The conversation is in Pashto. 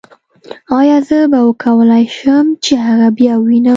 ایا زه به وکولای شم چې هغه بیا ووینم